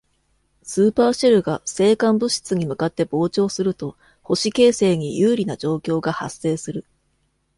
スーパーシェルが星間物質に向かって膨張すると、星形成に有利な状況が発生する。